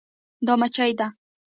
دا مچي ده